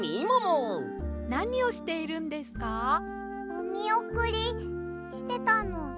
おみおくりしてたの。